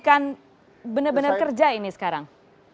bagaimana untuk memastikan benar benar kerja ini sekarang